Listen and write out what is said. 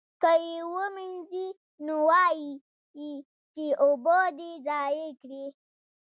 که یې ومینځي نو وایي یې چې اوبه دې ضایع کړې.